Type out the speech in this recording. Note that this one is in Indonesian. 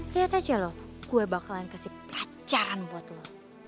lihat aja loh gue bakalan kasih pacaran buat lo